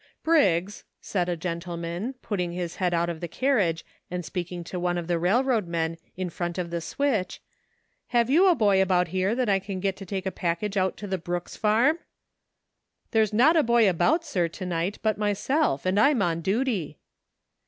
" Briggs," said a gentleman, putting his head out of the carriagis and speaking to one of the railroad men in front of the switch, " have you a boy about here that I can get to take a pack age out to the Brooks farm?" "There's not a boy about, sir, to night, but myself, and I'm on duty."